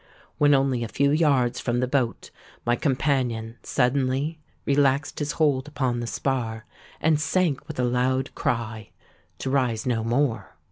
When only a few yards from the boat, my companion suddenly relaxed his hold upon the spar, and sank with a loud cry—to rise no more.